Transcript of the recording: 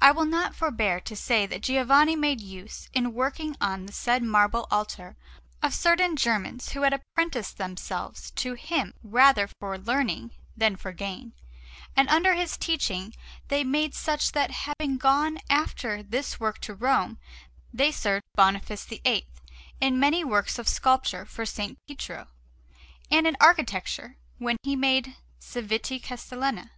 I will not forbear to say that Giovanni made use, in working on the said marble altar, of certain Germans who had apprenticed themselves to him rather for learning than for gain; and under his teaching they became such that, having gone after this work to Rome, they served Boniface VIII in many works of sculpture for S. Pietro, and in architecture when he made Cività Castellana.